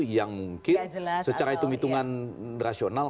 yang secara hitungan rasional